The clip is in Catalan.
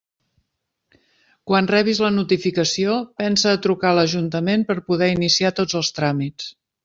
Quan rebis la notificació, pensa a trucar a l'ajuntament per poder iniciar tots els tràmits.